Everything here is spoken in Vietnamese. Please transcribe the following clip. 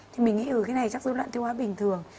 thì mình nghĩ cái này chắc dối loạn tiêu hóa bình thường